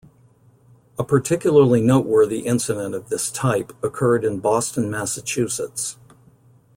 A particularly noteworthy incident of this type occurred in Boston, Massachusetts.